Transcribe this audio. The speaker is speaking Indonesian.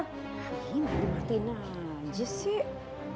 gue mau ke rumah reno aja sih